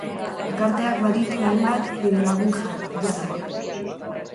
Elkarteak baditu hainbat bidelagun jada.